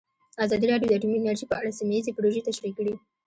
ازادي راډیو د اټومي انرژي په اړه سیمه ییزې پروژې تشریح کړې.